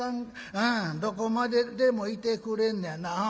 ああどこまででも行てくれんねやな。